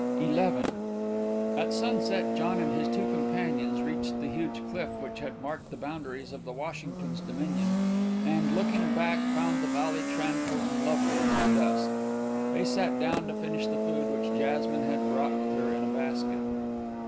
XI At sunset John and his two companions reached the huge cliff which had marked the boundaries of the Washingtons' dominion, and looking back found the valley tranquil and lovely in the dusk. They sat down to finish the food which Jasmine had brought with her in a basket.